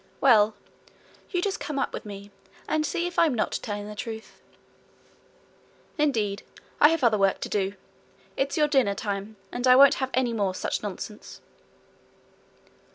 'Well, you just come up with me, and see if I'm not telling the truth.' 'Indeed I have other work to do. It's your dinnertime, and I won't have any more such nonsense.'